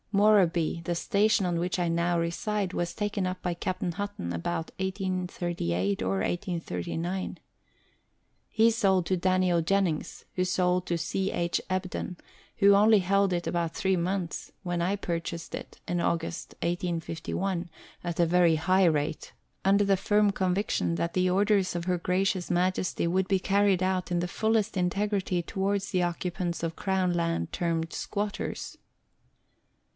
Moorabee, the station on which I now reside, was taken up by Captain Hutton about 1838 or 1839. He sold to Daniel Jennings, who sold to C. H. Ebden, who only held it about three months, when I purchased it in August 1851, at a very high rate, under the firm conviction that the orders of Her Gracious Majesty would be carried out in the fullest integrity towards the occupants of Crown Lands termed " squatters."